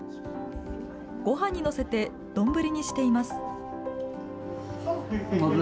ごはんに載せてどんぶりにしています。